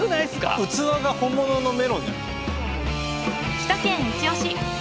「首都圏いちオシ！」